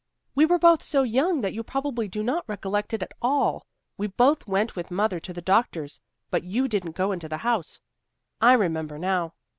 We were both so young that you probably do not recollect it at all. We both went with mother to the doctor's, but you didn't go into the house, I remember now.